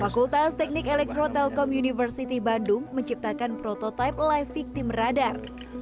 fakultas teknik elektro telkom university bandung menciptakan prototipe live victim radar